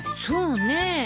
そうねえ。